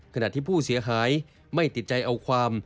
ขณะที่ผู้เสียหายไม่ติดใจเอาความ